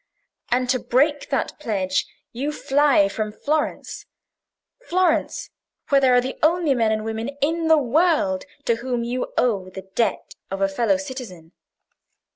"And to break that pledge you fly from Florence: Florence, where there are the only men and women in the world to whom you owe the debt of a fellow citizen."